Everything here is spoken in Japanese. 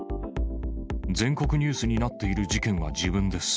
全国ニュースになっている事件は自分です。